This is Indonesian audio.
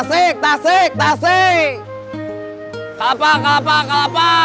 suatu hari lagi kleine